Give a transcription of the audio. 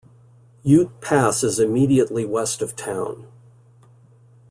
Ute Pass is immediately west of town.